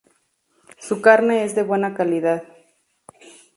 Su carne es de buena calidad.